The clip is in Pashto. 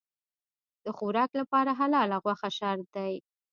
د خوراک لپاره حلاله غوښه شرط دی.